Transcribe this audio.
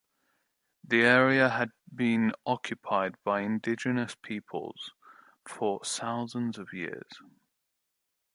The area had been occupied by indigenous peoples for thousands of years.